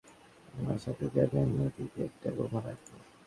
আমার সাথে যাবে, আমি ওদিকে একটা বোমা রাখবো।